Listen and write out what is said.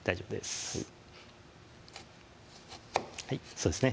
そうですね